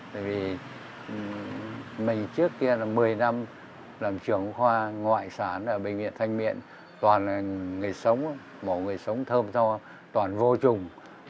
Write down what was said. tại vì mình trước kia là một mươi năm làm trưởng khoa ngoại sản ở bệnh viện thanh miện toàn là người sống mọi người sống thơm do toàn vô trùng